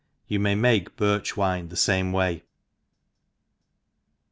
You may make birch wine the fame way.